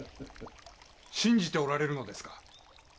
信じておられるのですか？